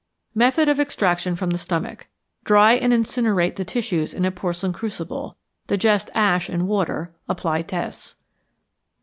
Method of Extraction from the Stomach. Dry and incinerate the tissues in a porcelain crucible, digest ash in water, apply tests.